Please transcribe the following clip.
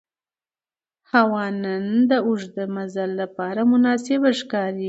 هوا نن د اوږده مزل لپاره مناسبه ښکاري